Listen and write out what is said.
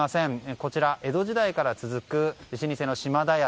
こちら江戸時代から続く老舗の嶋田家。